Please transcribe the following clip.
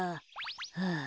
ああ。